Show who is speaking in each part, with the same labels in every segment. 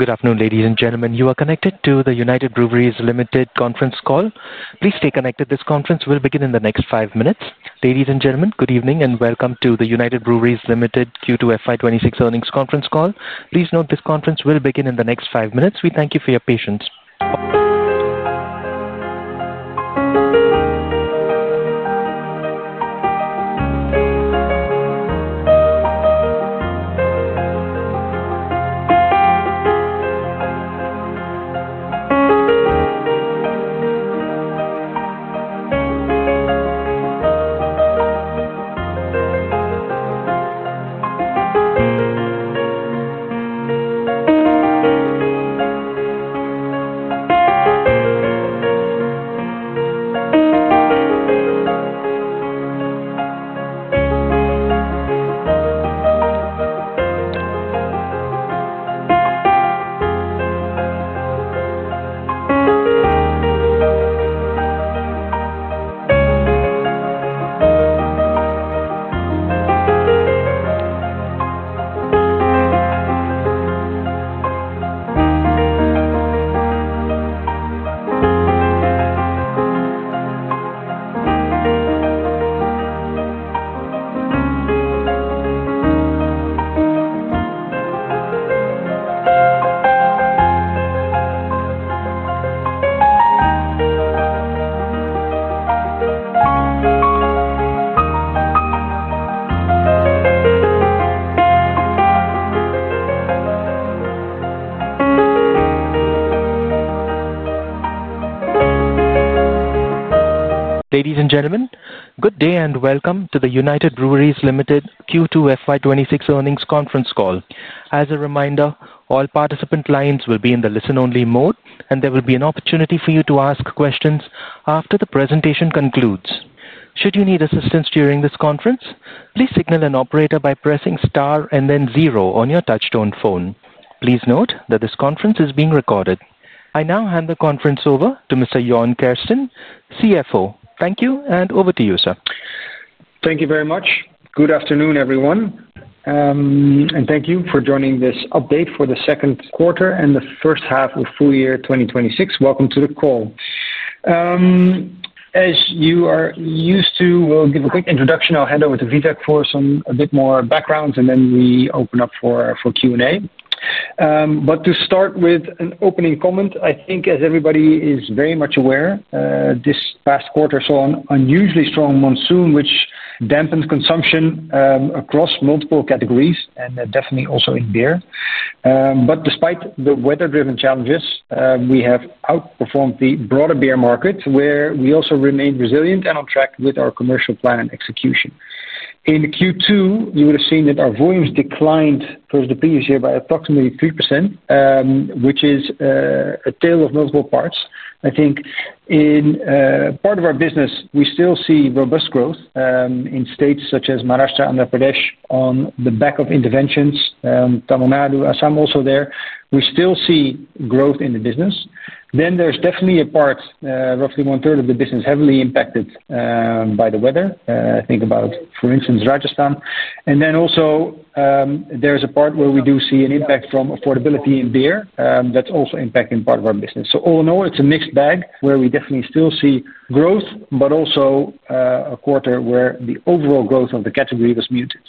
Speaker 1: Good afternoon, ladies and gentlemen. You are connected to the United Breweries Limited conference call. Please stay connected. This conference will begin in the next five minutes. Ladies and gentlemen, good evening and welcome to the United Breweries Limited Q2 FY 2026 earnings conference call. Please note this conference will begin in the next five minutes. We thank you for your patience. Ladies and gentlemen, good day and Welcome to the United Breweries Limited Q2 FY 2026 earnings conference call. As a reminder, all participant lines will be in the listen-only mode, and there will be an opportunity for you to ask questions after the presentation concludes. Should you need assistance during this conference, please signal an operator by pressing star and then zero on your touch-tone phone. Please note that this conference is being recorded. I now hand the conference over to Mr. Jorn Kersten, CFO. Thank you, and over to you, sir.
Speaker 2: Thank you very much. Good afternoon, everyone, and thank you for joining this update for the second quarter and the first half of full year 2026. Welcome to the call. As you are used to, we'll give a quick introduction. I'll hand over to Vivek for a bit more background, and then we open up for Q&A. To start with an opening comment, I think, as everybody is very much aware, this past quarter saw an unusually strong monsoon, which dampened consumption across multiple categories and definitely also in beer. Despite the weather-driven challenges, we have outperformed the broader beer market, where we also remained resilient and on track with our commercial plan and execution. In Q2, you would have seen that our volumes declined versus the previous year by approximately 3%, which is a tale of multiple parts. I think in part of our business, we still see robust growth in states such as Maharashtra and Andhra Pradesh on the back of interventions. Tamil Nadu and Assam also there. We still see growth in the business. There is definitely a part, roughly one-third of the business, heavily impacted by the weather. Think about, for instance, Rajasthan. There is also a part where we do see an impact from affordability in beer, that's also impacting part of our business. All in all, it's a mixed bag where we definitely still see growth, but also a quarter where the overall growth of the category was muted.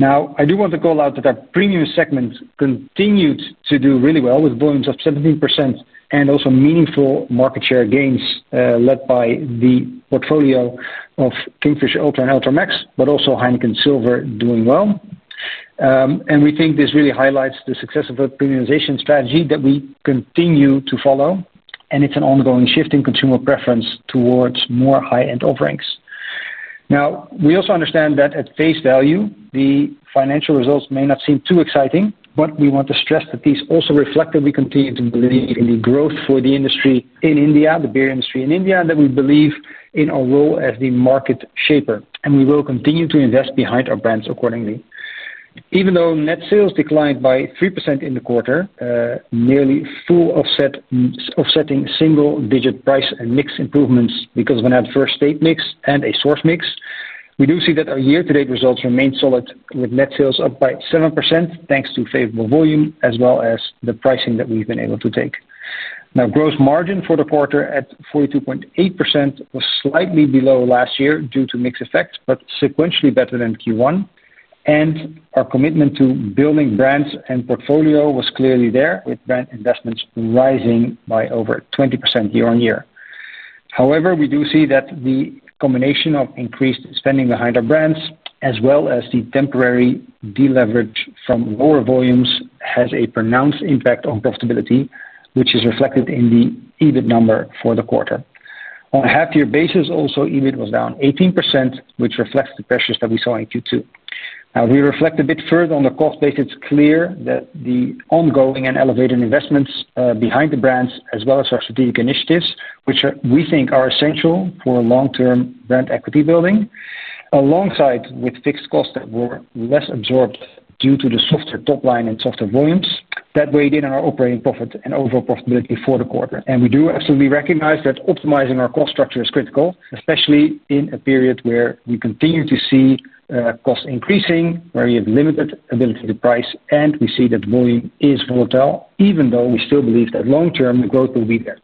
Speaker 2: I do want to call out that our premium segment continued to do really well with volumes of 17% and also meaningful market share gains, led by the portfolio of Kingfisher Ultra and Ultra Max, but also Heineken Silver doing well. We think this really highlights the success of our premiumization strategy that we continue to follow, and it's an ongoing shift in consumer preference towards more high-end offerings. We also understand that at face value, the financial results may not seem too exciting, but we want to stress that these also reflect that we continue to believe in the growth for the industry in India, the beer industry in India, and that we believe in our role as the market shaper. We will continue to invest behind our brands accordingly. Even though net sales declined by 3% in the quarter, nearly full offsetting single-digit price and mix improvements because of an adverse state mix and a source mix, we do see that our year-to-date results remain solid with net sales up by 7% thanks to favorable volume as well as the pricing that we've been able to take. Now, gross margin for the quarter at 42.8% was slightly below last year due to mix effects, but sequentially better than Q1. Our commitment to building brands and portfolio was clearly there with brand investments rising by over 20% year on year. However, we do see that the combination of increased spending behind our brands, as well as the temporary deleverage from lower volumes, has a pronounced impact on profitability, which is reflected in the EBIT number for the quarter. On a half-year basis, also, EBIT was down 18%, which reflects the pressures that we saw in Q2. If we reflect a bit further on the cost base, it's clear that the ongoing and elevated investments behind the brands, as well as our strategic initiatives, which we think are essential for long-term brand equity building, alongside with fixed costs that were less absorbed due to the softer top line and softer volumes, that weighed in on our operating profit and overall profitability for the quarter. We do absolutely recognize that optimizing our cost structure is critical, especially in a period where we continue to see costs increasing, where we have limited ability to price, and we see that volume is volatile, even though we still believe that long-term growth will be there.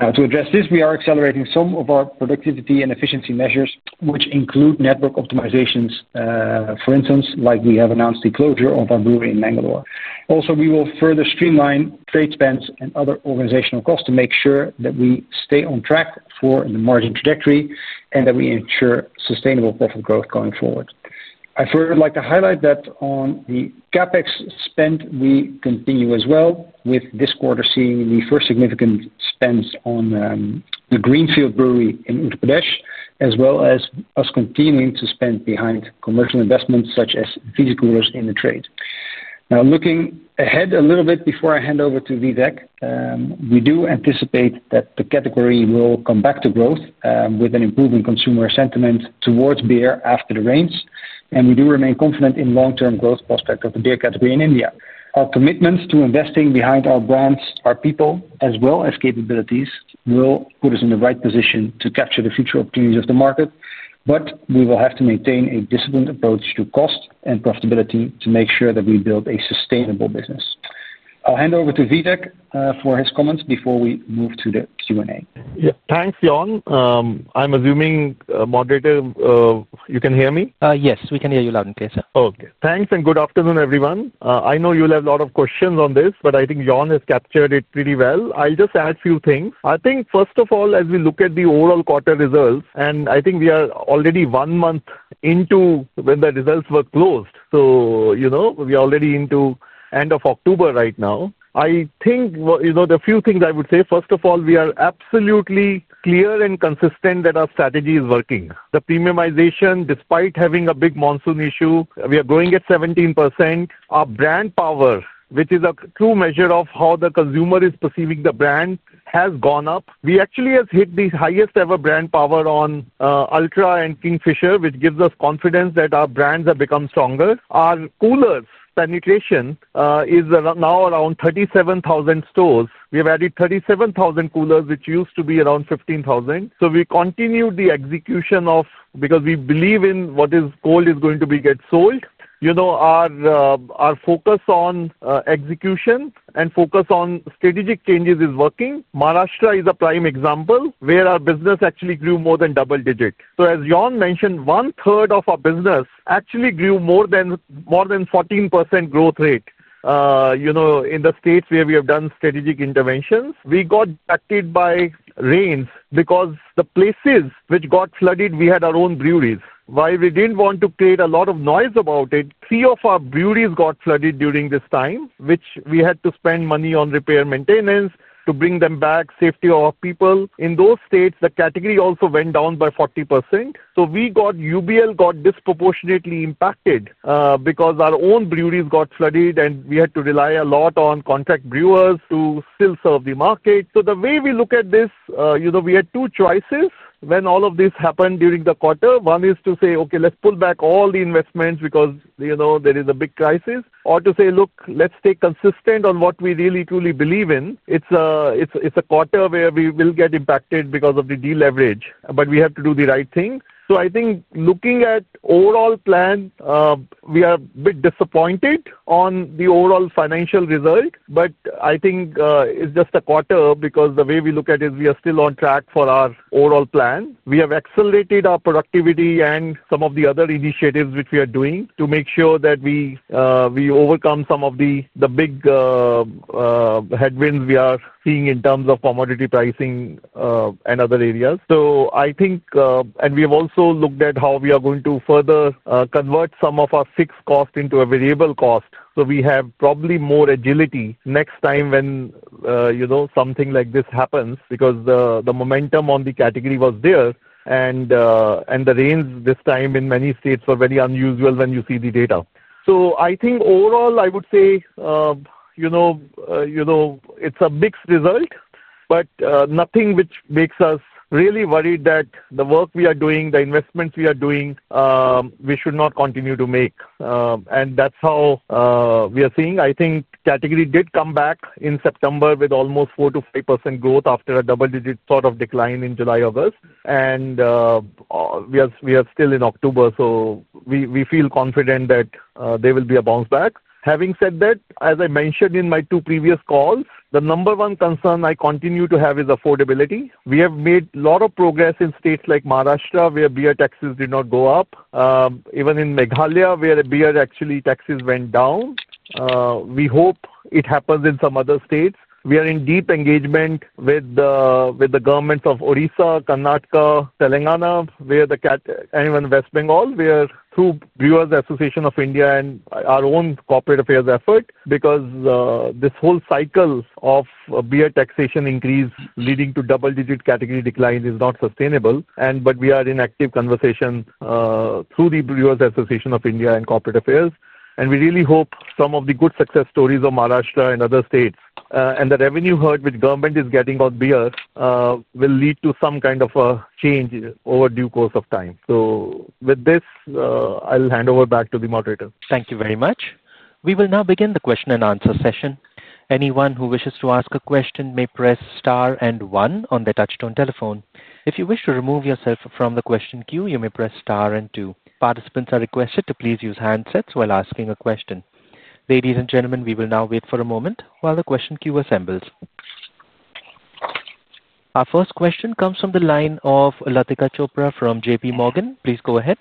Speaker 2: To address this, we are accelerating some of our productivity and efficiency measures, which include network rationalization, for instance, like we have announced the closure of Bangalore. We will further streamline trade spend and other organizational costs to make sure that we stay on track for the margin trajectory and that we ensure sustainable profit growth going forward. I'd first like to highlight that on the CapEx spend, we continue as well, with this quarter seeing the first significant spends on the Greenfield Brewery in Uttar Pradesh, as well as us continuing to spend behind commercial investments such as Visi Coolers in the trade. Looking ahead a little bit before I hand over to Vivek, we do anticipate that the category will come back to growth, with an improving consumer sentiment towards beer after the rains. We do remain confident in the long-term growth prospects of the beer category in India. Our commitments to investing behind our brands, our people, as well as capabilities will put us in the right position to capture the future opportunities of the market. We will have to maintain a disciplined approach to cost and profitability to make sure that we build a sustainable business. I'll hand over to Vivek for his comments before we move to the Q&A.
Speaker 3: Yeah, thanks, Jorn. I'm assuming, moderator, you can hear me?
Speaker 1: Yes, we can hear you loud and clear, sir.
Speaker 3: Okay. Thanks, and good afternoon, everyone. I know you'll have a lot of questions on this, but I think Jorn has captured it pretty well. I'll just add a few things. First of all, as we look at the overall quarter results, and we are already one month into when the results were closed, we are already into the end of October right now. The few things I would say. First of all, we are absolutely clear and consistent that our strategy is working. The premiumization, despite having a big monsoon issue, we are growing at 17%. Our brand power, which is a true measure of how the consumer is perceiving the brand, has gone up. We actually have hit the highest ever brand power on Ultra and Kingfisher, which gives us confidence that our brands have become stronger. Our coolers' penetration is now around 37,000 stores. We have added 37,000 coolers, which used to be around 15,000. We continued the execution because we believe in what is called is going to be get sold. Our focus on execution and focus on strategic changes is working. Maharashtra is a prime example where our business actually grew more than double digit. As Jorn mentioned, one-third of our business actually grew more than 14% growth rate. In the states where we have done strategic interventions, we got impacted by rains because the places which got flooded, we had our own breweries. While we didn't want to create a lot of noise about it, three of our breweries got flooded during this time, which we had to spend money on repair and maintenance to bring them back, safety of our people. In those states, the category also went down by 40%. UBL got disproportionately impacted, because our own breweries got flooded and we had to rely a lot on contract brewers to still serve the market. The way we look at this, we had two choices when all of this happened during the quarter. One is to say, "Okay, let's pull back all the investments because, you know, there is a big crisis," or to say, "Look, let's stay consistent on what we really truly believe in." It's a quarter where we will get impacted because of the deleverage, but we have to do the right thing. Looking at the overall plan, we are a bit disappointed on the overall financial result, but it's just a quarter because the way we look at it is we are still on track for our overall plan. We have accelerated our productivity and some of the other initiatives which we are doing to make sure that we overcome some of the big headwinds we are seeing in terms of commodity pricing and other areas. I think, and we have also looked at how we are going to further convert some of our fixed costs into a variable cost. We have probably more agility next time when something like this happens because the momentum on the category was there. The rains this time in many states were very unusual when you see the data. I think overall, I would say it's a mixed result, but nothing which makes us really worried that the work we are doing, the investments we are doing, we should not continue to make. That's how we are seeing. I think the category did come back in September with almost 4% - 5% growth after a double-digit sort of decline in July, August. We are still in October, so we feel confident that there will be a bounce back. Having said that, as I mentioned in my two previous calls, the number one concern I continue to have is affordability. We have made a lot of progress in states like Maharashtra where beer taxes did not go up, even in Meghalaya where beer actually taxes went down. We hope it happens in some other states. We are in deep engagement with the governments of Odisha, Karnataka, Telangana, and even West Bengal through Brewers Association of India and our own corporate affairs effort, because this whole cycle of beer taxation increase leading to double-digit category decline is not sustainable. We are in active conversation through the Brewers Association of India and corporate affairs. We really hope some of the good success stories of Maharashtra and other states, and the revenue hurt which government is getting on beer, will lead to some kind of a change over the due course of time. With this, I'll hand over back to the moderator.
Speaker 1: Thank you very much. We will now begin the question and answer session. Anyone who wishes to ask a question may press star and one on their touch-tone telephone. If you wish to remove yourself from the question queue, you may press star and two. Participants are requested to please use handsets while asking a question. Ladies and gentlemen, we will now wait for a moment while the question queue assembles. Our first question comes from the line of Latika Chopra from JPMorgan. Please go ahead.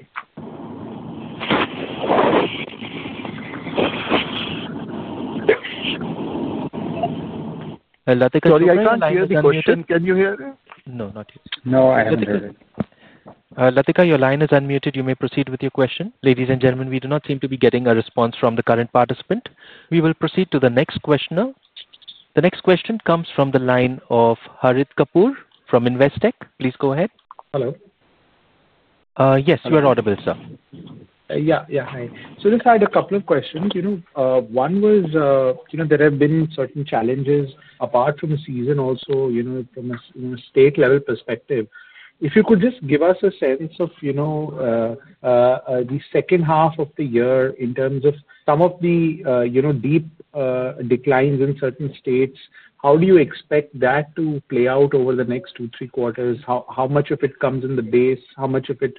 Speaker 1: Latika Chopra, your line is unmuted.
Speaker 2: Sorry, I got a question. Can you hear me?
Speaker 1: No, not yet.
Speaker 2: No, I haven't heard it.
Speaker 1: Latika, your line is unmuted. You may proceed with your question. Ladies and gentlemen, we do not seem to be getting a response from the current participant. We will proceed to the next questioner. The next question comes from the line of Harit Kapoor from Investec. Please go ahead.
Speaker 4: Hello.
Speaker 1: Yes, you are audible, sir.
Speaker 4: Yeah, hi. I just had a couple of questions. One was, there have been certain challenges apart from the season also, from a state-level perspective. If you could just give us a sense of the second half of the year in terms of some of the deep declines in certain states, how do you expect that to play out over the next two, three quarters? How much of it comes in the base? How much of it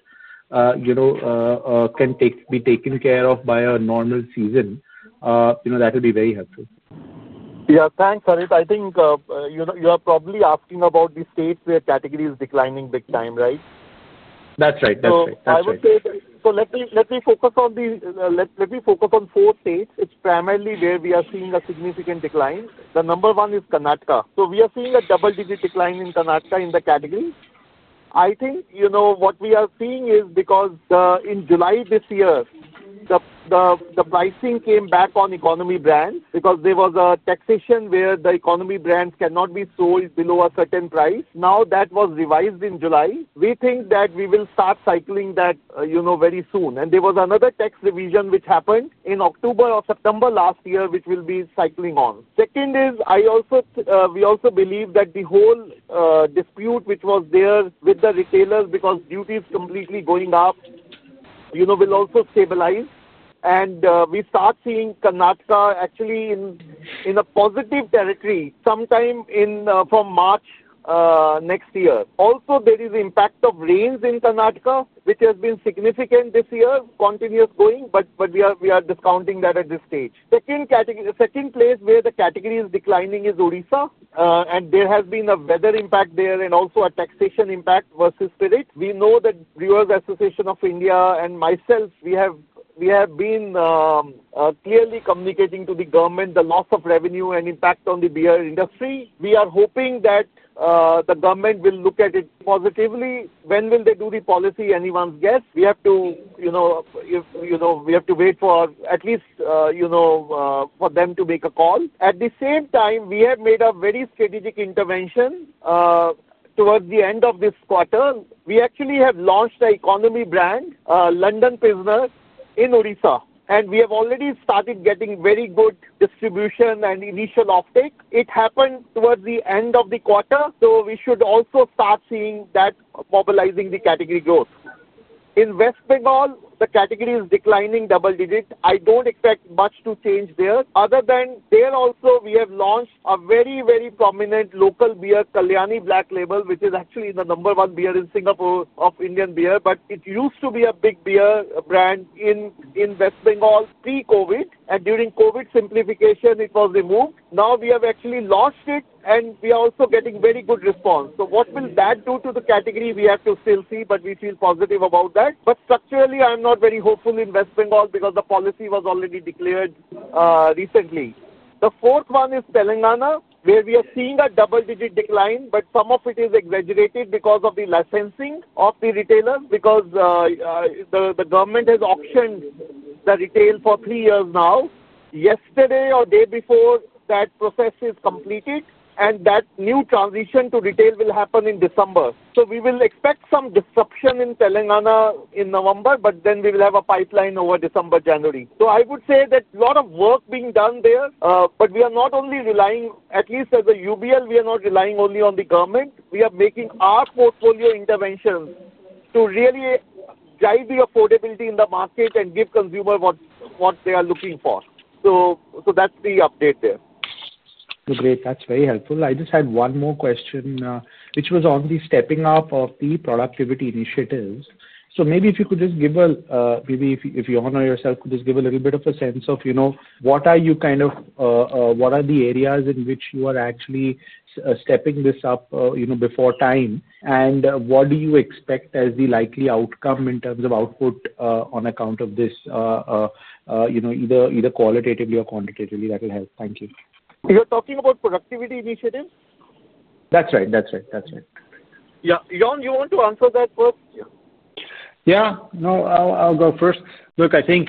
Speaker 4: can be taken care of by a normal season? That would be very helpful.
Speaker 3: Yeah, thanks, Harit. I think you are probably asking about the states where category is declining big time, right?
Speaker 4: That's right. That's right. That's right.
Speaker 3: Let me focus on four states. It's primarily where we are seeing a significant decline. The number one is Karnataka. We are seeing a double-digit decline in Karnataka in the category. I think what we are seeing is because, in July this year, the pricing came back on economy brands because there was a taxation where the economy brands cannot be sold below a certain price. That was revised in July. We think that we will start cycling that very soon. There was another tax revision which happened in October or September last year, which will be cycling on. We also believe that the whole dispute which was there with the retailers because duties are completely going up will also stabilize. We start seeing Karnataka actually in a positive territory sometime from March next year. Also, there is the impact of rains in Karnataka, which has been significant this year, continuous going, but we are discounting that at this stage. The second place where the category is declining is Odisha, and there has been a weather impact there and also a taxation impact versus Spirit. We know that Brewers Association of India and myself, we have been clearly communicating to the government the loss of revenue and impact on the beer industry. We are hoping that the government will look at it positively. When will they do the policy? Anyone's guess. We have to wait for at least, you know, for them to make a call. At the same time, we have made a very strategic intervention towards the end of this quarter. We actually have launched an economy brand, London Pilsner, in Odisha, and we have already started getting very good distribution and initial uptake. It happened towards the end of the quarter. We should also start seeing that mobilizing the category growth. In West Bengal, the category is declining double digit. I don't expect much to change there. Other than there, also, we have launched a very prominent local beer, Kalyani Black Label, which is actually the number one beer in Singapore of Indian beer, but it used to be a big beer brand in West Bengal pre-COVID. During COVID simplification, it was removed. Now we have actually launched it, and we are also getting very good response. What will that do to the category? We have to still see, but we feel positive about that. Structurally, I'm not very hopeful in West Bengal because the policy was already declared recently. The fourth one is Telangana, where we are seeing a double-digit decline, but some of it is exaggerated because of the licensing of the retailers, because the government has auctioned the retail for three years now. Yesterday or day before, that process is completed, and that new transition to retail will happen in December. We will expect some disruption in Telangana in November, but then we will have a pipeline over December, January. I would say that a lot of work is being done there, but we are not only relying, at least as UBL, we are not relying only on the government. We are making our portfolio interventions to really drive the affordability in the market and give consumers what they are looking for. That's the update there.
Speaker 4: Great. That's very helpful. I just had one more question, which was on the stepping up of the productivity initiatives. If you could just give a little bit of a sense of what are the areas in which you are actually stepping this up before time, and what do you expect as the likely outcome in terms of output on account of this, either qualitatively or quantitatively, that will help. Thank you.
Speaker 3: You're talking about productivity initiatives?
Speaker 4: That's right. That's right. That's right.
Speaker 3: Yeah. Jorn, you want to answer that first?
Speaker 2: Yeah. I'll go first. Look, I think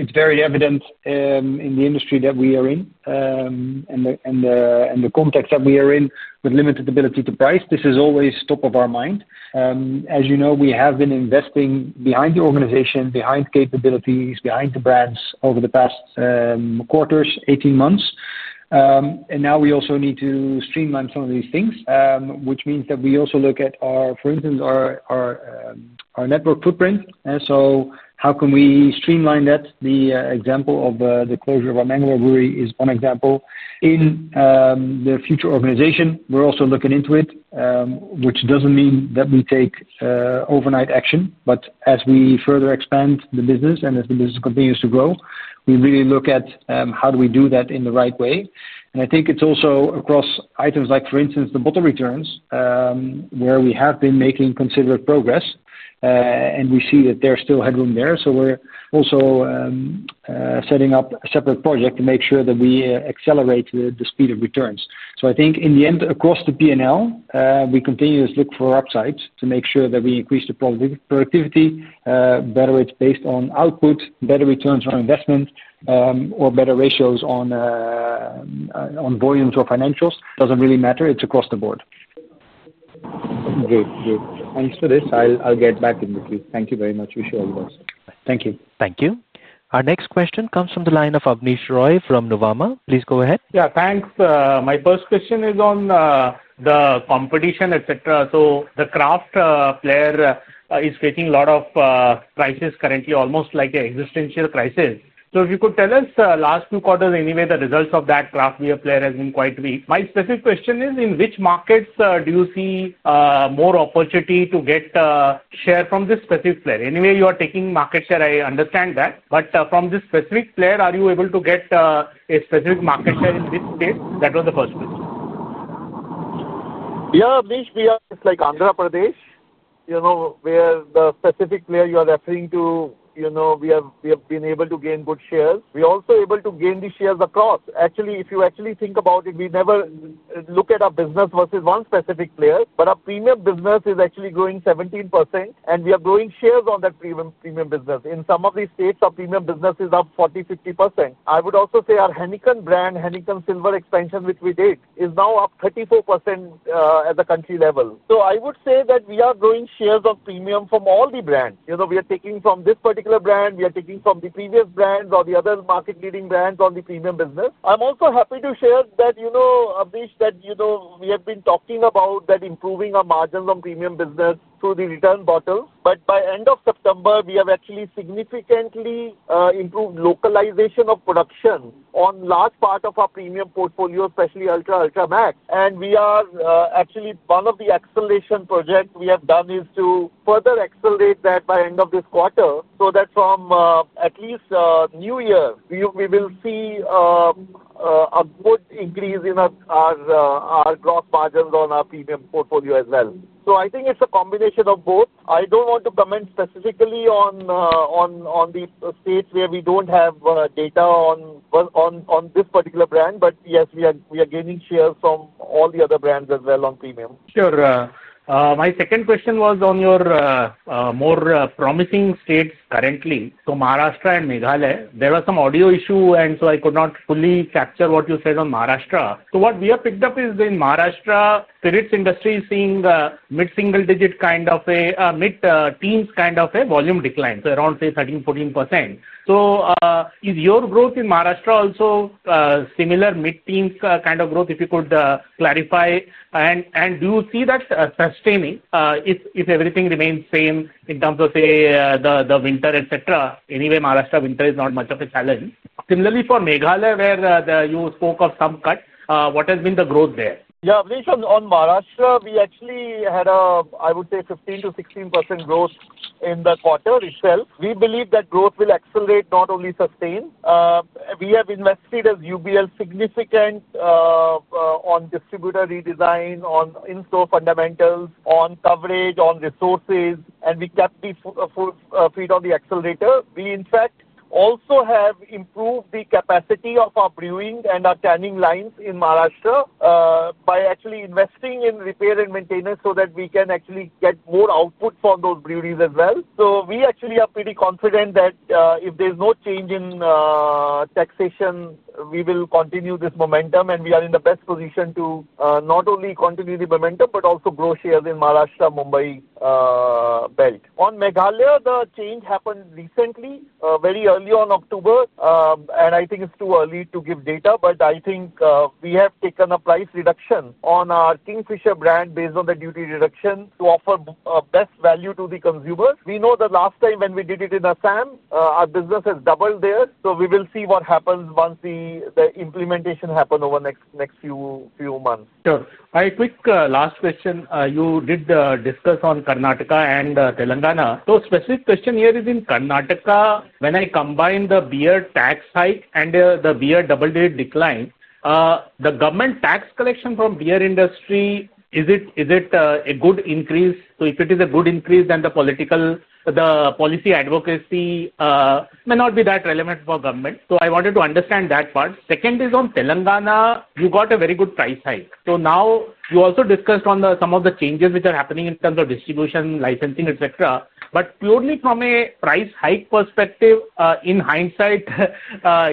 Speaker 2: it's very evident in the industry that we are in, and the context that we are in with limited ability to price, this is always top of our mind. As you know, we have been investing behind the organization, behind capabilities, behind the brands over the past quarters, 18 months. Now we also need to streamline some of these things, which means that we also look at our, for instance, our network footprint. How can we streamline that? The example of the closure of our Bangalore Brewery is one example. In the future organization, we're also looking into it, which doesn't mean that we take overnight action, but as we further expand the business and as the business continues to grow, we really look at how do we do that in the right way? I think it's also across items like, for instance, the bottle returns, where we have been making considerate progress, and we see that there's still headroom there. We're also setting up a separate project to make sure that we accelerate the speed of returns. I think in the end, across the P&L, we continue to look for upsides to make sure that we increase the productivity, whether it's based on output, better returns on investment, or better ratios on volumes or financials. It doesn't really matter. It's across the board.
Speaker 4: Good. Thanks for this. I'll get back in with you. Thank you very much. We sure will. Thank you.
Speaker 1: Thank you. Our next question comes from the line of Abneesh Roy from Nuvama. Please go ahead.
Speaker 5: Yeah, thanks. My first question is on the competition, etc. The craft player is facing a lot of crisis currently, almost like an existential crisis. If you could tell us, the last two quarters anyway, the results of that craft beer player have been quite weak. My specific question is, in which markets do you see more opportunity to get share from this specific player? Anyway, you are taking market share. I understand that. From this specific player, are you able to get a specific market share in this space? That was the first question.
Speaker 3: Yeah. Yeah. It's like Andhra Pradesh, you know, where the specific player you are referring to, you know, we have been able to gain good shares. We are also able to gain the shares across. Actually, if you actually think about it, we never look at our business versus one specific player, but our premium business is actually growing 17%, and we are growing shares on that premium business. In some of these states, our premium business is up 40%, 50%. I would also say our Heineken brand, Heineken Silver expansion, which we did, is now up 34% at the country level. I would say that we are growing shares of premium from all the brands. You know, we are taking from this particular brand. We are taking from the previous brands or the other market-leading brands on the premium business. I'm also happy to share that, you know, Abneesh, that we have been talking about improving our margins on premium business through the return bottle. By the end of September, we have actually significantly improved localization of premium production on a large part of our premium portfolio, especially Ultra, Ultra Max. One of the acceleration projects we have done is to further accelerate that by the end of this quarter so that from at least New Year, we will see a good increase in our gross margins on our premium portfolio as well. I think it's a combination of both. I don't want to comment specifically on the states where we don't have data on this particular brand, but yes, we are gaining shares from all the other brands as well on premium.
Speaker 5: Sure. My second question was on your more promising states currently, Maharashtra and Meghalaya. There was some audio issue, and I could not fully capture what you said on Maharashtra. What we have picked up is in Maharashtra, Spirit Industries is seeing a mid-single-digit, kind of a mid-teens, kind of a volume decline, so around, say, 13% or 14%. Is your growth in Maharashtra also similar, mid-teens kind of growth, if you could clarify? Do you see that sustaining if everything remains the same in terms of, say, the winter, etc.? Anyway, Maharashtra winter is not much of a challenge. Similarly, for Meghalaya, where you spoke of some cut, what has been the growth there?
Speaker 3: Yeah, Abneesh, on Maharashtra, we actually had a, I would say, 15% - 16% growth in the quarter itself. We believe that growth will accelerate, not only sustain. We have invested as UBL significant, on distributor redesign, on in-store fundamentals, on coverage, on resources, and we kept the full feet on the accelerator. We, in fact, also have improved the capacity of our brewing and our tanning lines in Maharashtra, by actually investing in repair and maintenance so that we can actually get more output from those breweries as well. We actually are pretty confident that, if there's no change in taxation, we will continue this momentum, and we are in the best position to not only continue the momentum, but also grow shares in the Maharashtra-Mumbai belt. On Meghalaya, the change happened recently, very early on October. I think it's too early to give data, but I think we have taken a price reduction on our Kingfisher brand based on the duty reduction to offer best value to the consumers. We know the last time when we did it in Assam, our business has doubled there. We will see what happens once the implementation happens over the next few months.
Speaker 5: Sure. A quick, last question. You did discuss on Karnataka and Telangana. Specific question here is in Karnataka, when I combine the beer tax hike and the beer double-digit decline, the government tax collection from beer industry, is it a good increase? If it is a good increase, then the policy advocacy may not be that relevant for government. I wanted to understand that part. Second is on Telangana, you got a very good price hike. You also discussed on some of the changes which are happening in terms of distribution, licensing, etc. Purely from a price hike perspective, in hindsight,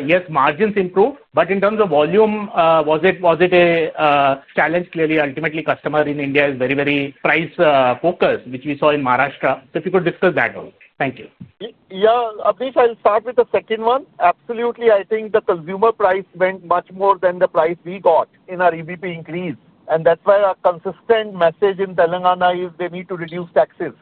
Speaker 5: yes, margins improved. In terms of volume, was it a challenge? Clearly, ultimately, customer in India is very, very price-focused, which we saw in Maharashtra. If you could discuss that one. Thank you.
Speaker 3: Yeah, Abneesh, I'll start with the second one. Absolutely, I think the consumer price went much more than the price we got in our EBP increase. That's why our consistent message in Telangana is they need to reduce taxes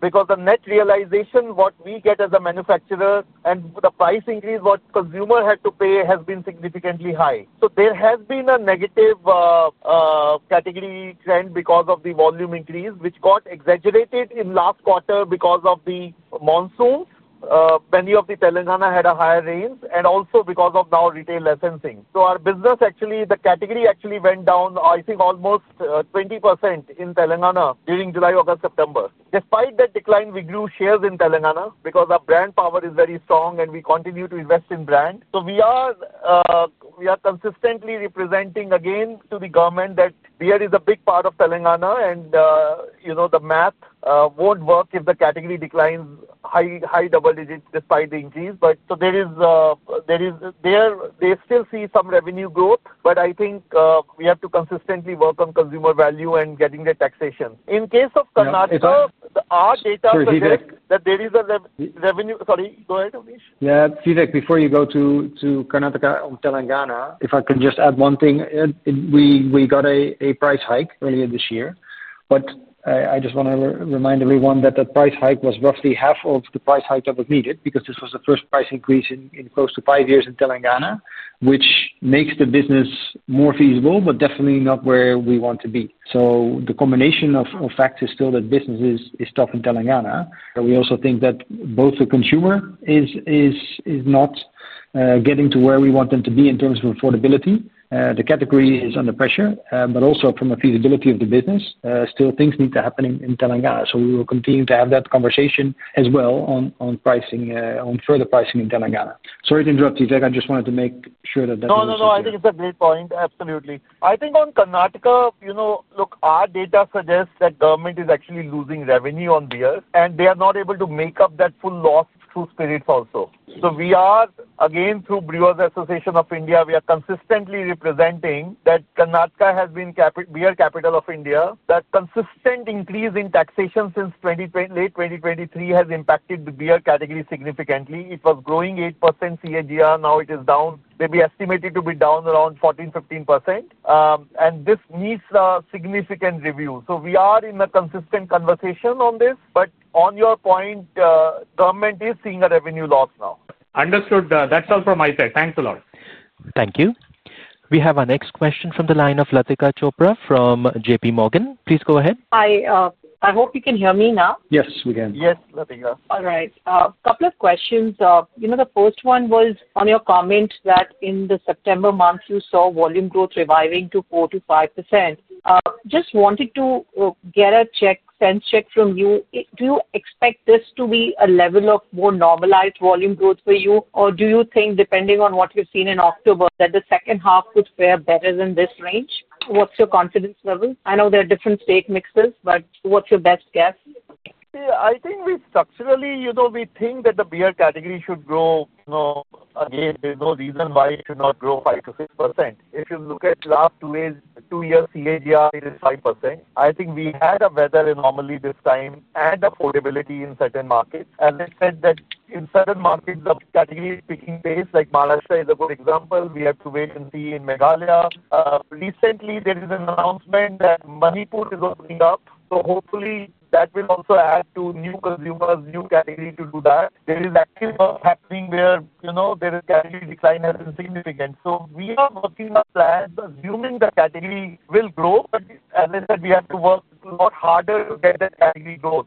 Speaker 3: because the net realization we get as a manufacturer and the price increase consumers had to pay has been significantly high. There has been a negative category trend because of the volume increase, which got exaggerated in the last quarter because of the monsoon. Many of Telangana had higher rain and also because of now retail licensing. Our business, the category actually went down, I think, almost 20% in Telangana during July, August, September. Despite that decline, we grew shares in Telangana because our brand power is very strong and we continue to invest in brands. We are consistently representing again to the government that beer is a big part of Telangana, and, you know, the math won't work if the category declines high double digits despite the increase. There is still some revenue growth, but I think we have to consistently work on consumer value and getting the taxation. In case of Karnataka, our data suggests that there is a revenue, sorry, go ahead, Abneesh.
Speaker 2: Yeah, Vivek, before you go to Karnataka or Telangana, if I can just add one thing, we got a price hike earlier this year. I just want to remind everyone that that price hike was roughly half of the price hike that was needed because this was the first price increase in close to five years in Telangana, which makes the business more feasible, but definitely not where we want to be. The combination of facts is still that business is tough in Telangana. We also think that both the consumer is not getting to where we want them to be in terms of affordability. The category is under pressure, but also from a feasibility of the business, still things need to happen in Telangana. We will continue to have that conversation as well on pricing, on further pricing in Telangana. Sorry to interrupt, Vivek. I just wanted to make sure that was.
Speaker 3: No, I think it's a great point. Absolutely. I think on Karnataka, our data suggests that government is actually losing revenue on beer, and they are not able to make up that full loss through Spirit also. We are, again, through Brewers Association of India, consistently representing that Karnataka has been beer capital of India. That consistent increase in taxation since late 2023 has impacted the beer category significantly. It was growing 8% CAGR. Now it is down, maybe estimated to be down around 14, 15%. This needs a significant review. We are in a consistent conversation on this, but on your point, government is seeing a revenue loss now.
Speaker 5: Understood. That's all from my side. Thanks a lot.
Speaker 1: Thank you. We have our next question from the line of Latika Chopra from JPMorgan. Please go ahead.
Speaker 6: Hi, I hope you can hear me now.
Speaker 2: Yes, we can.
Speaker 3: Yes, Latika.
Speaker 6: All right. A couple of questions. The first one was on your comment that in the September month, you saw volume growth reviving to 4% - 5%. Just wanted to get a sense check from you. Do you expect this to be a level of more normalized volume growth for you, or do you think, depending on what you've seen in October, that the second half could fare better than this range? What's your confidence level? I know there are different state mixes, but what's your best guess?
Speaker 3: Yeah, I think we structurally, you know, we think that the beer category should grow, you know, again, there's no reason why it should not grow 5% - 6%. If you look at last two years, two years CAGR is 5%. I think we had a better anomaly this time and affordability in certain markets. As I said, in certain markets, the category is picking pace. Like Maharashtra is a good example. We have to wait and see in Meghalaya. Recently, there is an announcement that Manipur is opening up. Hopefully, that will also add to new consumers, new category to do that. There is actually a lot happening where, you know, there is a category decline that is significant. We are working on plans assuming the category will grow, but as I said, we have to work a lot harder to get that category growth.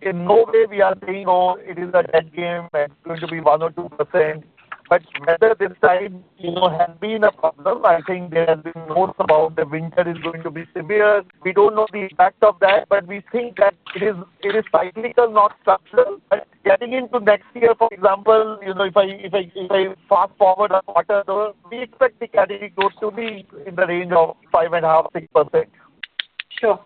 Speaker 3: In no way we are saying, oh, it is a dead game and it's going to be 1% or 2%. Weather this time, you know, has been a problem. I think there has been words about the winter is going to be severe. We don't know the impact of that, but we think that it is cyclical, not structural. Getting into next year, for example, you know, if I fast forward a quarter, we expect the category growth to be in the range of 5.5% - 6%.
Speaker 6: Sure.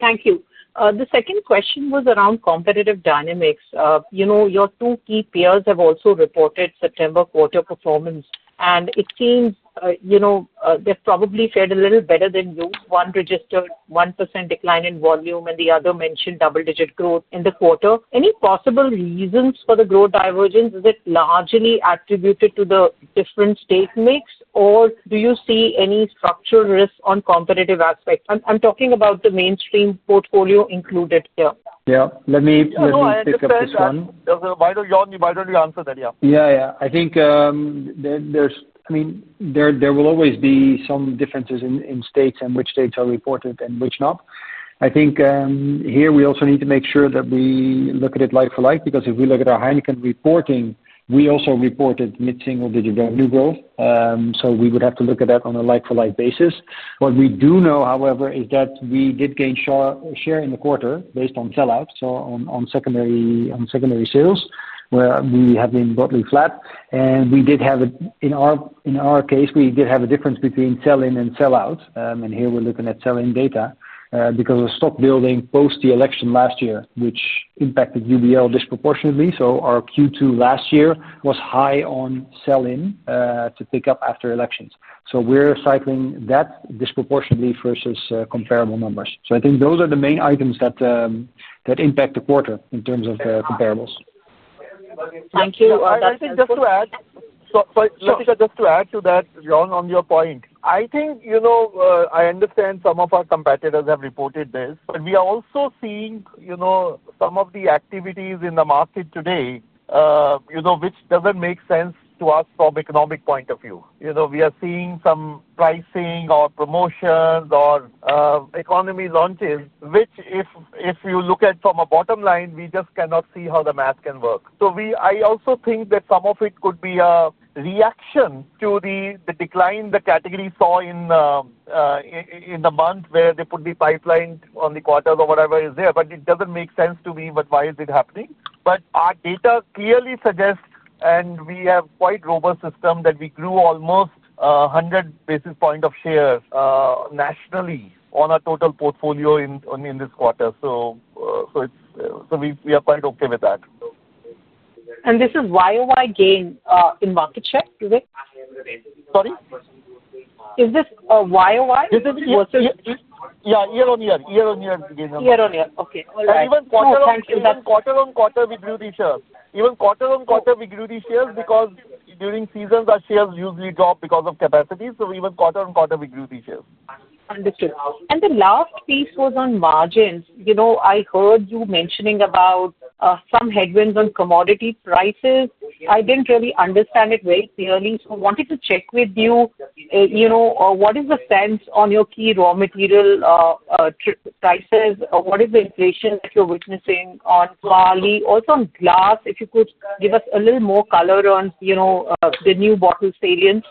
Speaker 6: Thank you. The second question was around competitive dynamics. Your two key peers have also reported September quarter performance. It seems they've probably fared a little better than you. One registered 1% decline in volume, and the other mentioned double-digit growth in the quarter. Any possible reasons for the growth divergence? Is it largely attributed to the different state mix, or do you see any structural risks on competitive aspects? I'm talking about the mainstream portfolio included here.
Speaker 2: Yeah. Let me pick up this one.
Speaker 3: Why don't you answer that?
Speaker 2: Yeah. Yeah, I think there will always be some differences in states and which states are reported and which not. I think here we also need to make sure that we look at it like for like because if we look at our Heineken reporting, we also reported mid-single-digit revenue growth. We would have to look at that on a like-for-like basis. What we do know, however, is that we did gain share in the quarter based on sell-outs, so on secondary sales, where we have been broadly flat. We did have in our case a difference between sell-in and sell-out. Here we're looking at sell-in data because of stock building post the election last year, which impacted UBL disproportionately. Our Q2 last year was high on sell-in to pick up after elections. We're cycling that disproportionately versus comparable numbers. I think those are the main items that impact the quarter in terms of the comparables.
Speaker 6: Thank you.
Speaker 3: I think just to add to that, Jorn, on your point, I think, you know, I understand some of our competitors have reported this, but we are also seeing some of the activities in the market today, which doesn't make sense to us from an economic point of view. We are seeing some pricing or promotions or economy launches, which if you look at from a bottom line, we just cannot see how the math can work. I also think that some of it could be a reaction to the decline the category saw in the month where they put the pipeline on the quarters or whatever is there, but it doesn't make sense to me, why is it happening? Our data clearly suggests, and we have a quite robust system, that we grew almost 100 basis points of share nationally on our total portfolio in this quarter. We are quite okay with that.
Speaker 6: Is this YOY gain in market share?
Speaker 3: Sorry,
Speaker 6: is this YOY?
Speaker 3: Is this versus? Yeah, year on year gain on market.
Speaker 6: Year on year, okay.
Speaker 3: We grew these shares quarter on quarter. Even during seasons, our shares usually drop because of capacity, but quarter on quarter, we grew these shares.
Speaker 6: Understood. The last piece was on margins. I heard you mentioning about some headwinds on commodity prices. I didn't really understand it very clearly. I wanted to check with you, what is the sense on your key raw material prices? What is the inflation that you're witnessing on clay? Also on glass, if you could give us a little more color on the new bottle salients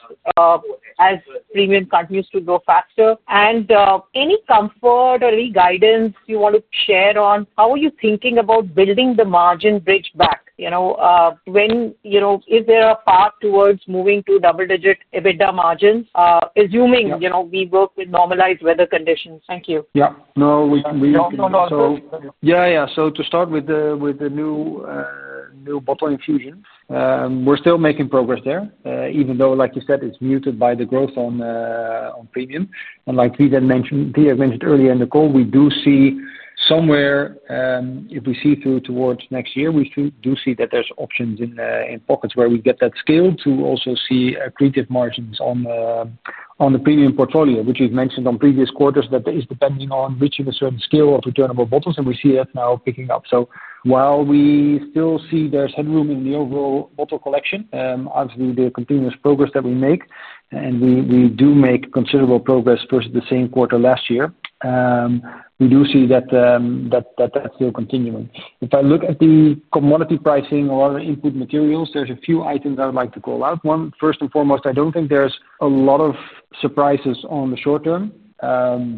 Speaker 6: as premium continues to grow faster. Any comfort or any guidance you want to share on how are you thinking about building the margin bridge back? Is there a path towards moving to double-digit EBITDA margins? Assuming we work with normalized weather conditions. Thank you.
Speaker 2: Yeah, no, we can also.
Speaker 3: Yeah, yeah.
Speaker 2: Yeah, yeah. To start with the new bottle infusion, we're still making progress there, even though, like you said, it's muted by the growth on premium. Like Vivek mentioned earlier in the call, we do see somewhere, if we see through towards next year, we do see that there's options in pockets where we get that scale to also see creative margins on the premium portfolio, which we've mentioned on previous quarters that is depending on reaching a certain scale of returnable bottles. We see that now picking up. While we still see there's headroom in the overall bottle collection, obviously, the continuous progress that we make, and we do make considerable progress versus the same quarter last year, we do see that that's still continuing. If I look at the commodity pricing or other input materials, there's a few items I would like to call out. First and foremost, I don't think there's a lot of surprises on the short term.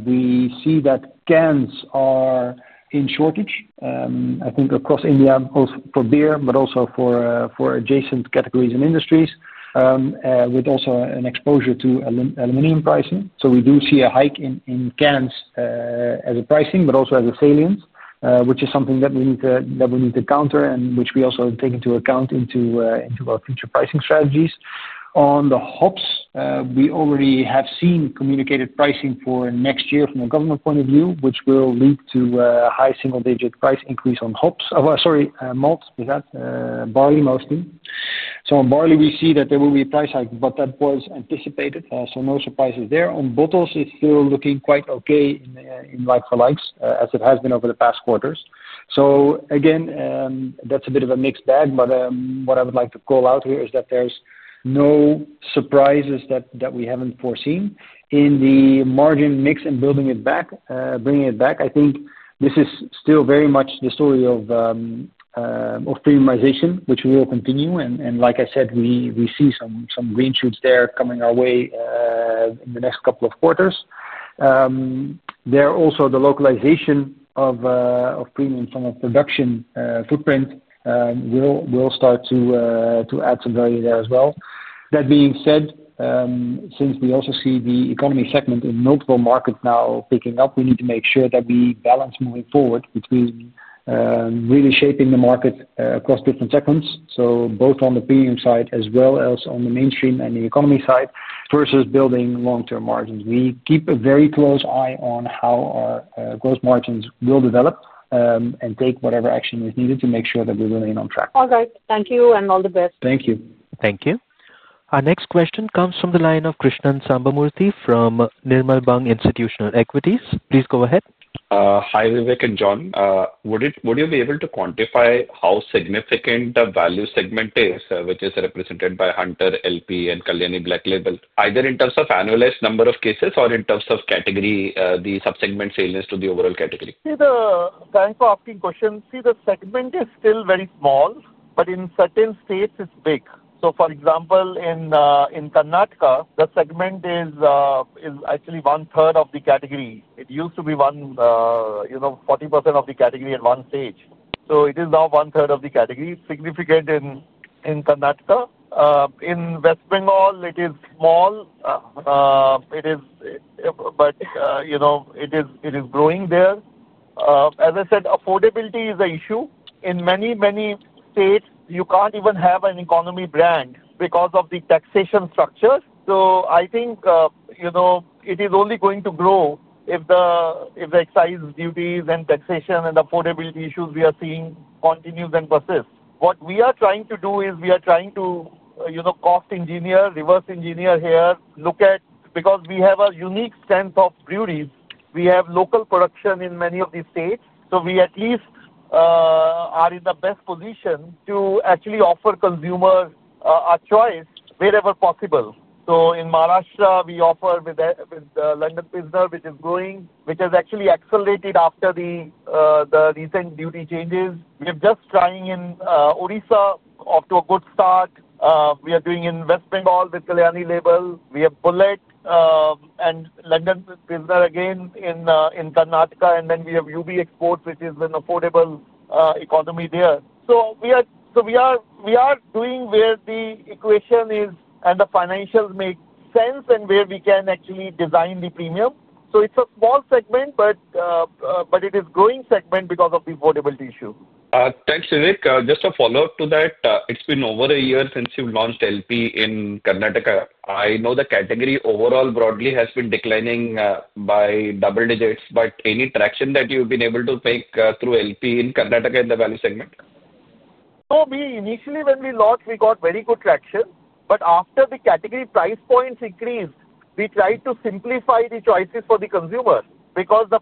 Speaker 2: We see that cans are in shortage, I think, across India both for beer, but also for adjacent categories and industries, with also an exposure to aluminum pricing. We do see a hike in cans as a pricing, but also as a salience, which is something that we need to counter and which we also take into account into our future pricing strategies. On the hops, we already have seen communicated pricing for next year from a government point of view, which will lead to a high single-digit price increase on hops. Oh, sorry, malt, is that barley mostly? On barley, we see that there will be a price hike, but that was anticipated. No surprises there. On bottles, it's still looking quite okay in like-for-likes as it has been over the past quarters. Again, that's a bit of a mixed bag, but what I would like to call out here is that there's no surprises that we haven't foreseen. In the margin mix and building it back, bringing it back, I think this is still very much the story of premiumization, which we will continue. Like I said, we see some green shoots there coming our way in the next couple of quarters. Also, the localization of premium from a production footprint will start to add some value there as well. That being said, since we also see the economy segment in multiple markets now picking up, we need to make sure that we balance moving forward between really shaping the market across different segments. Both on the premium side as well as on the mainstream and the economy side versus building long-term margins. We keep a very close eye on how our gross margins will develop and take whatever action is needed to make sure that we remain on track.
Speaker 6: All right. Thank you and all the best.
Speaker 2: Thank you.
Speaker 1: Thank you. Our next question comes from the line of Krishnan Sambamoorthy from Nirmal Bang Institutional Equities. Please go ahead.
Speaker 7: Hi, Vivek and Jorn. Would you be able to quantify how significant the value segment is, which is represented by Hunter, London Pilsner, and Kalyani Black Label, either in terms of annualized number of cases or in terms of category, the subsegment salience to the overall category?
Speaker 3: Thanks for asking questions. The segment is still very small, but in certain states, it's big. For example, in Karnataka, the segment is actually one-third of the category. It used to be, you know, 40% of the category at one stage. It is now one-third of the category, significant in Karnataka. In West Bengal, it is small, but it is growing there. As I said, affordability is an issue. In many, many states, you can't even have an economy brand because of the taxation structure. I think it is only going to grow if the excise duties and taxation and affordability issues we are seeing continue and persist. What we are trying to do is we are trying to cost engineer, reverse engineer here, look at because we have a unique strength of breweries. We have local production in many of these states. We at least are in the best position to actually offer consumers a choice wherever possible. In Maharashtra, we offer with the London Pilsner, which is growing, which has actually accelerated after the recent duty changes. We're just trying in Odisha, off to a good start. We are doing in West Bengal with Kalyani Black Label. We have Bullet and London Pilsner again in Karnataka. Then we have UB Exports, which is an affordable economy there. We are doing where the equation is and the financials make sense and where we can actually design the premium. It's a small segment, but it is a growing segment because of the affordability issue.
Speaker 7: Thanks, Vivek. Just a follow-up to that. It's been over a year since you've launched LP in Karnataka. I know the category overall broadly has been declining by double digits, but any traction that you've been able to make through LP in Karnataka in the value segment?
Speaker 3: Initially, when we launched, we got very good traction. After the category price points increased, we tried to simplify the choices for the consumer because the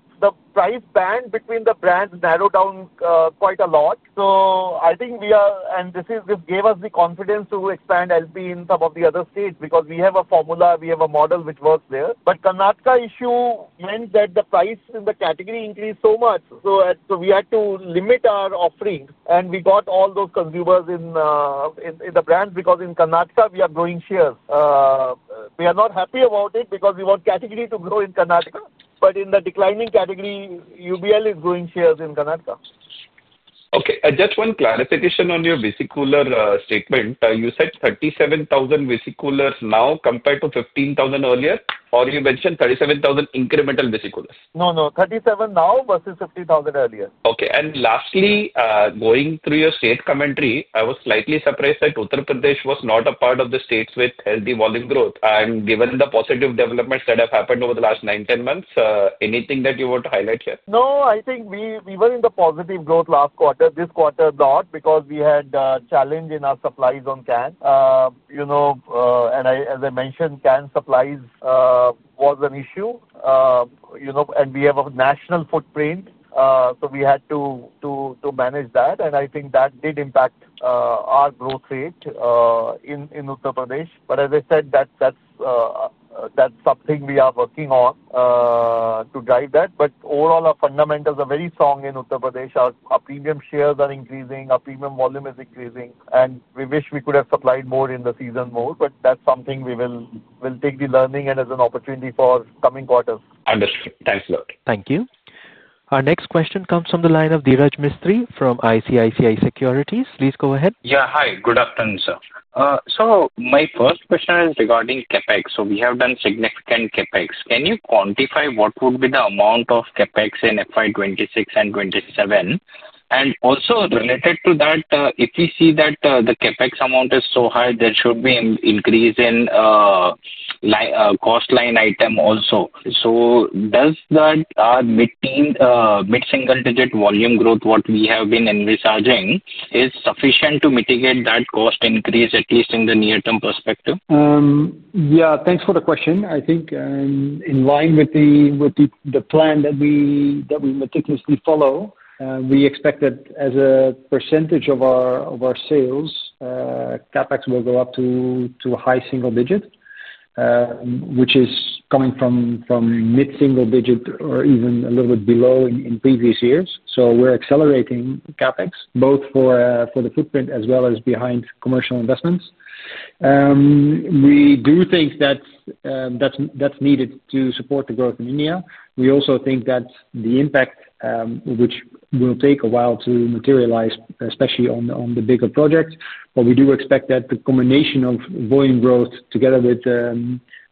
Speaker 3: price band between the brands narrowed down quite a lot. I think we are, and this gave us the confidence to expand LP in some of the other states because we have a formula, we have a model which works there. The Karnataka issue meant that the price in the category increased so much. We had to limit our offerings. We got all those consumers in the brands because in Karnataka, we are growing shares. We are not happy about it because we want category to grow in Karnataka. In the declining category, UBL is growing shares in Karnataka.
Speaker 7: Okay. I just want clarification on your Visi Cooler statement. You said 37,000 Visi Coolers now compared to 15,000 earlier, or you mentioned 37,000 incremental Visi Coolers?
Speaker 3: No, 37 now versus 15,000 earlier.
Speaker 7: Okay. Lastly, going through your state commentary, I was slightly surprised that Uttar Pradesh was not a part of the states with healthy volume growth. Given the positive developments that have happened over the last 9, 10 months, anything that you want to highlight here?
Speaker 3: No, I think we were in the positive growth last quarter. This quarter is not because we had a challenge in our supplies on can. As I mentioned, can supplies was an issue. We have a national footprint, so we had to manage that. I think that did impact our growth rate in Uttar Pradesh. As I said, that's something we are working on to drive that. Overall, our fundamentals are very strong in Uttar Pradesh. Our premium shares are increasing, our premium volume is increasing, and we wish we could have supplied more in the season mode. That's something we will take the learning and as an opportunity for coming quarters.
Speaker 7: Understood. Thanks a lot.
Speaker 1: Thank you. Our next question comes from the line of Dhiraj Mistry from ICICI Securities. Please go ahead.
Speaker 8: Yeah, hi. Good afternoon, sir. My first question is regarding CapEx. We have done significant CapEx. Can you quantify what would be the amount of CapEx in FY 2026 and 2027? Also, related to that, if you see that the CapEx amount is so high, there should be an increase in cost line item also. Does that mid-single-digit volume growth, what we have been envisaging, is sufficient to mitigate that cost increase, at least in the near-term perspective?
Speaker 2: Yeah, thanks for the question. I think in line with the plan that we meticulously follow, we expect that as a percentage of our sales, CapEx will go up to a high single digit, which is coming from mid-single digit or even a little bit below in previous years. We're accelerating CapEx both for the footprint as well as behind commercial investments. We do think that's needed to support the growth in India. We also think that the impact, which will take a while to materialize, especially on the bigger projects, but we do expect that the combination of volume growth together with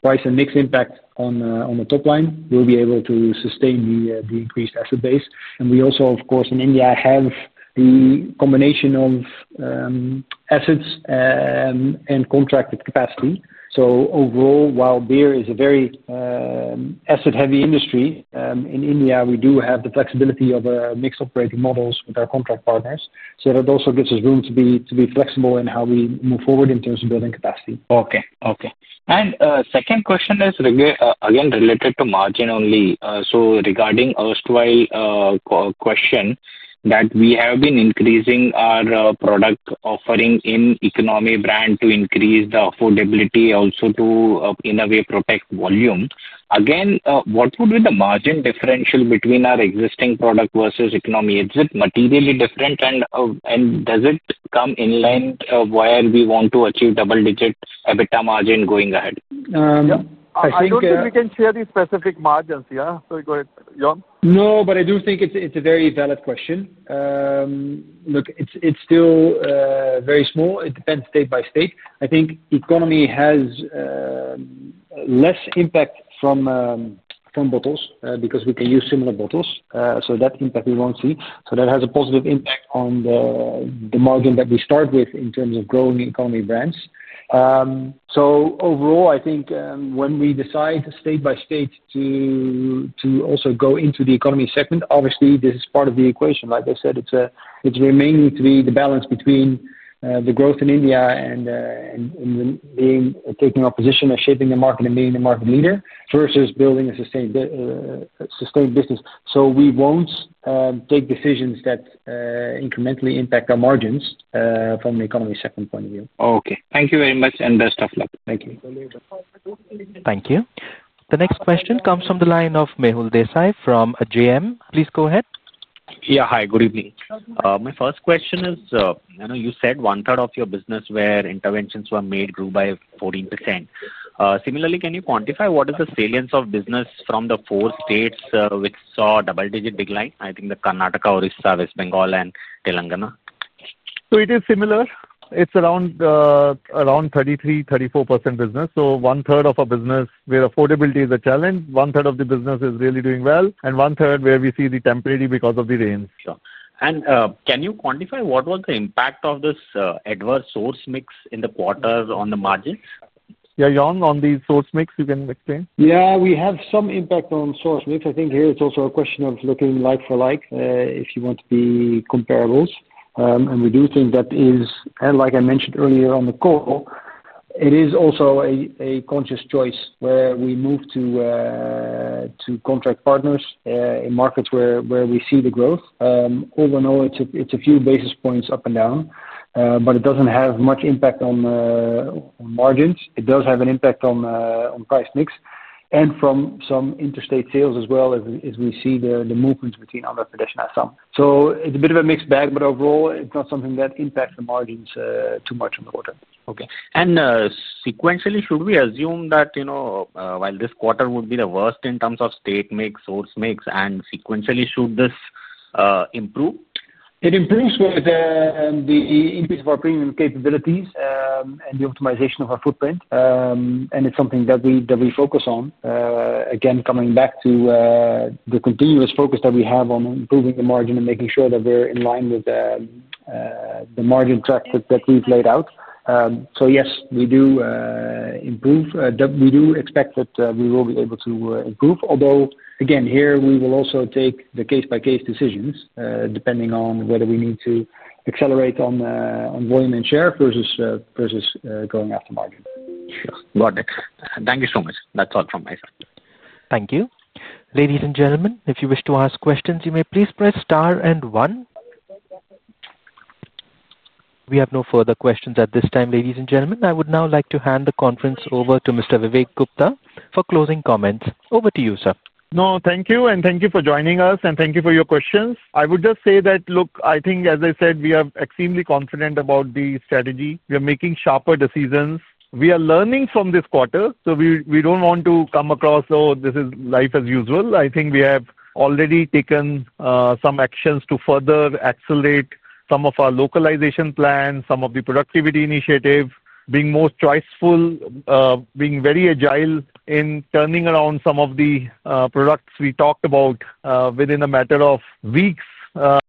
Speaker 2: price and mixed impact on the top line will be able to sustain the increased asset base. We also, of course, in India have the combination of assets and contracted capacity. Overall, while beer is a very asset-heavy industry, in India, we do have the flexibility of mixed operating models with our contract partners. That also gives us room to be flexible in how we move forward in terms of building capacity.
Speaker 8: Okay. Second question is, again, related to margin only. Regarding the erstwhile question that we have been increasing our product offering in economy brand to increase the affordability, also to, in a way, protect volume. What would be the margin differential between our existing product versus economy? Is it materially different, and does it come in line where we want to achieve double-digit EBITDA margin going ahead?
Speaker 2: I think.
Speaker 3: I'm not sure if we can share the specific margins. Sorry, go ahead, Jorn.
Speaker 2: No, but I do think it's a very valid question. Look, it's still very small. It depends state by state. I think economy has less impact from bottles because we can use similar bottles. That impact we won't see. That has a positive impact on the margin that we start with in terms of growing economy brands. Overall, I think when we decide state by state to also go into the economy segment, obviously, this is part of the equation. Like I said, it remains to be the balance between the growth in India and in taking our position and shaping the market and being the market leader versus building a sustained business. We won't take decisions that incrementally impact our margins from the economy segment point of view.
Speaker 8: Okay, thank you very much, and best of luck.
Speaker 2: Thank you.
Speaker 1: Thank you. The next question comes from the line of Mehul Desai from JM. Please go ahead.
Speaker 9: Yeah, hi. Good evening. My first question is, I know you said one-third of your business where interventions were made grew by 14%. Similarly, can you quantify what is the salience of business from the four states which saw double-digit decline? I think the Karnataka, Odisha, West Bengal, and Telangana.
Speaker 2: It is similar. It's around 33%, 34% business. One-third of our business where affordability is a challenge, one-third of the business is really doing well, and one-third where we see the temporary because of the rains.
Speaker 9: Can you quantify what was the impact of this adverse source mix in the quarter on the margins?
Speaker 3: Yeah, Jorn, on the source mix, you can explain?
Speaker 2: Yeah, we have some impact on source mix. I think here it's also a question of looking like for like if you want to be comparables. We do think that is, and like I mentioned earlier on the call, it is also a conscious choice where we move to contract partners in markets where we see the growth. Overall, it's a few basis points up and down, but it doesn't have much impact on margins. It does have an impact on price mix and from some interstate sales as well as we see the movements between Andhra Pradesh and Assam. It's a bit of a mixed bag, but overall, it's not something that impacts the margins too much in the quarter.
Speaker 9: Okay. Sequentially, should we assume that, you know, while this quarter would be the worst in terms of state and source mix, sequentially, should this improve?
Speaker 2: It improves with the impact of our premium capabilities and the optimization of our footprint. It is something that we focus on. Again, coming back to the continuous focus that we have on improving the margin and making sure that we're in line with the margin track that we've laid out. Yes, we do improve. We do expect that we will be able to improve. Although, here we will also take the case-by-case decisions depending on whether we need to accelerate on volume and share versus going after margin.
Speaker 9: Sure. Got it. Thank you so much. That's all from my side.
Speaker 1: Thank you. Ladies and gentlemen, if you wish to ask questions, you may please press star and one. We have no further questions at this time. Ladies and gentlemen, I would now like to hand the conference over to Mr. Vivek Gupta for closing comments. Over to you, sir.
Speaker 3: No, thank you. Thank you for joining us. Thank you for your questions. I would just say that, look, I think, as I said, we are extremely confident about the strategy. We are making sharper decisions. We are learning from this quarter. We do not want to come across as if this is life as usual. I think we have already taken some actions to further accelerate some of our localization plans, some of the productivity initiatives, being more choiceful, being very agile in turning around some of the products we talked about within a matter of weeks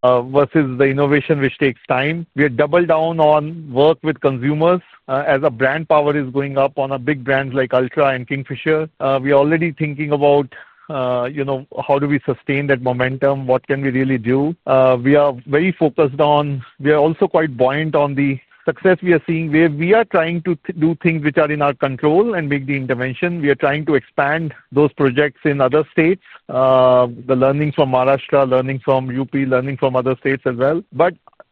Speaker 3: versus the innovation which takes time. We are doubling down on work with consumers as our brand power is going up on big brands like Ultra and Kingfisher. We are already thinking about how do we sustain that momentum, what can we really do. We are very focused on, we are also quite buoyant on the success we are seeing where we are trying to do things which are in our control and make the intervention. We are trying to expand those projects in other states. The learnings from Maharashtra, learnings from Uttar Pradesh, learnings from other states as well.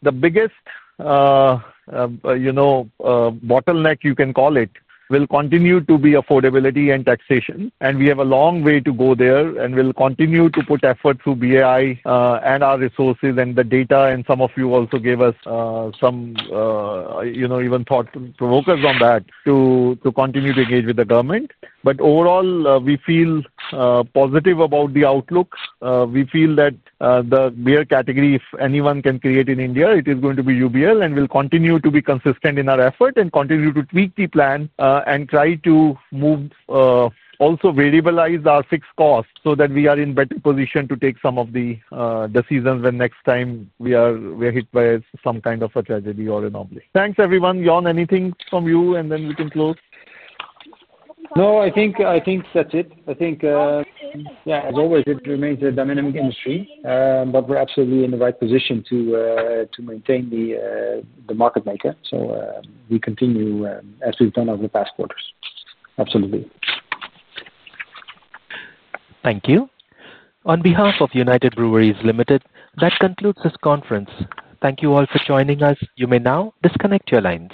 Speaker 3: The biggest bottleneck, you can call it, will continue to be affordability and taxation. We have a long way to go there. We will continue to put effort through the Brewers Association of India and our resources and the data. Some of you also gave us some thought provokers on that to continue to engage with the government. Overall, we feel positive about the outlook. We feel that the beer category, if anyone can create in India, it is going to be UBL and we will continue to be consistent in our effort and continue to tweak the plan and try to also variabilize our fixed cost so that we are in a better position to take some of the decisions when next time we are hit by some kind of a tragedy or an obligation. Thanks, everyone. Jorn, anything from you? Then we can close.
Speaker 2: No, I think that's it. I think, yeah, as always, it remains a dynamic industry, but we're absolutely in the right position to maintain the market maker. We continue as we've done over the past quarters. Absolutely.
Speaker 1: Thank you. On behalf of United Breweries Limited, that concludes this conference. Thank you all for joining us. You may now disconnect your lines.